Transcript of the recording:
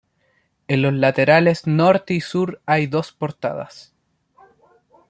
En los laterales norte y sur hay dos portadas.